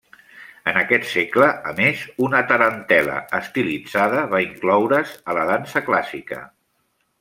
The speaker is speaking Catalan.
En aquest segle a més una tarantel·la estilitzada va incloure's a la dansa clàssica.